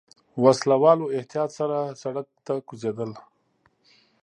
وسله والو احتياط سره سړک ته کوزېدل.